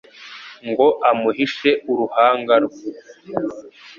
ngo amuhishe uruhanga rwe